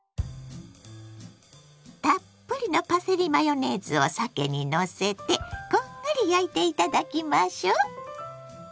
たっぷりのパセリマヨネーズをさけにのせてこんがり焼いていただきましょ。